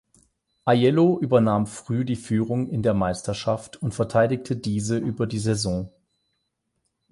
Aiello übernahm früh die Führung in der Meisterschaft und verteidigte diese über die Saison.